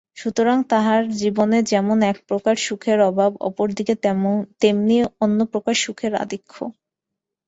সুতরাং তাহার জীবনে যেমন একপ্রকার সুখের অভাব, অপর দিকে তেমনি অন্যপ্রকার সুখের আধিক্য।